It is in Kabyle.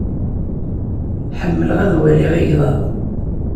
Ḥemmleɣ ad waliɣ igḍaḍ.